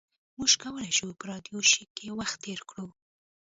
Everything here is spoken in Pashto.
موږ کولی شو په راډیو شیک کې وخت تیر کړو